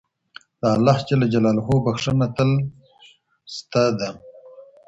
د الله بښنه تل سته ده.